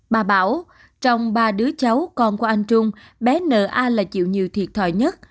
bà bảo trong ba đứa cháu con của anh trung bé nợ a là chịu nhiều thiệt thòi nhất